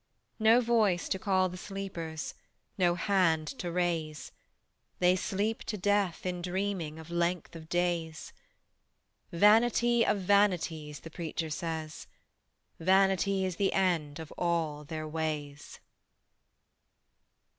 No voice to call the sleepers, No hand to raise: They sleep to death in dreaming Of length of days. Vanity of vanities, The Preacher says: Vanity is the end Of all their ways.